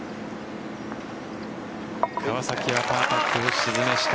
川崎はパーパットを沈めました。